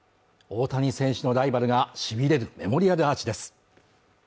大谷選手のライバルがしびれるメモリアルアーチです